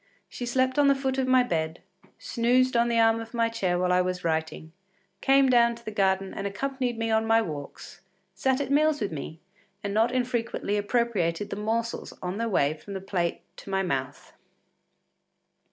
She slept on the foot of my bed, snoozed on the arm of my chair while I was writing, came down to the garden and accompanied me on my walks, sat at meals with me and not infrequently appropriated the morsels on their way from my plate to my mouth.